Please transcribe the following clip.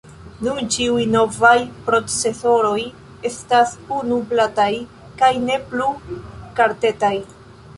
Nun ĉiuj novaj procesoroj estas unu-blataj kaj ne plu kartetaj.